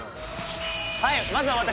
はいまずは私